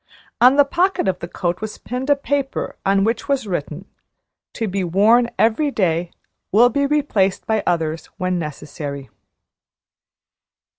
On the pocket of the coat was pinned a paper on which was written, "To be worn every day will be replaced by others when necessary."